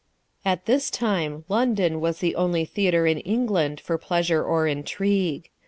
At this time London was the only theatre in England for pleasure or intrigue.